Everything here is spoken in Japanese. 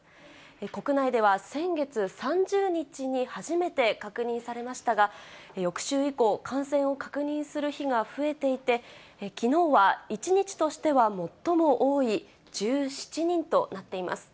国内では先月３０日に初めて確認されましたが、翌週以降、感染を確認する日が増えていて、きのうは１日としては最も多い１７人となっています。